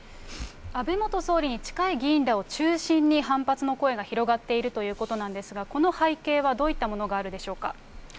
安倍元総理に近い議員らを中心に、反発の声が広がっているということなんですが、この背景は、どういったものがあるでしょうか。